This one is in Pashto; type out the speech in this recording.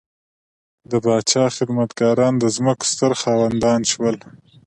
د پاچا خدمتګاران د ځمکو ستر خاوندان شول.